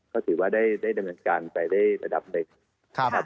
ก็ถือว่าได้ดำเนินการไปได้ระดับเล็ก